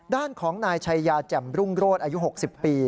ด้านของนายชัยยาแจ่มรุ่งโรศอายุ๖๐ปี